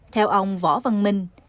theo ông võ văn minh